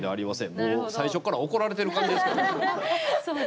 もう最初から怒られてる感じですけど。